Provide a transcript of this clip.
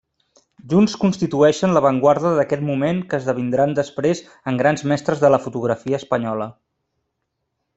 Junts constitueixen l'avantguarda d'aquest moment que esdevindran després en grans mestres de la fotografia espanyola.